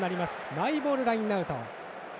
マイボールラインアウト。